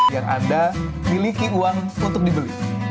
yang anda miliki uang untuk dibeli